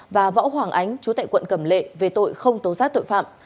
và võ hoàng ánh chú tại quận cầm lệ về tội không tố xác tội phạm